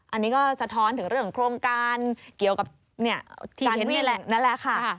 อันนี้ก็สะท้อนถึงเรื่องโครงการเกี่ยวกับการนั่นแหละค่ะ